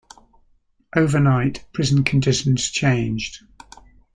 Overnight prison conditions changed.